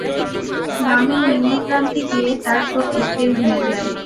বামের নিম্নপ্রান্তে গিয়ে তার চোখ স্থির হয়ে যায়।